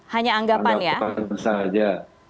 hanya anggapan saja